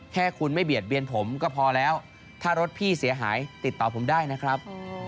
แค่คุณไม่เบียดเบียนผมก็พอแล้วถ้ารถพี่เสียหายติดต่อผมได้นะครับ